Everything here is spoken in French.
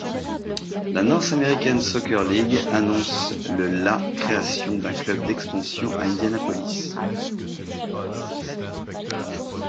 La North American Soccer League annonce le la création d'un club d'expansion à Indianapolis.